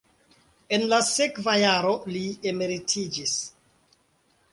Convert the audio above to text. En la sekva jaro li emeritiĝis.